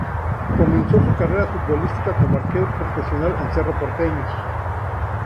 Comenzó su carrera futbolística como arquero profesional en Cerro Porteño.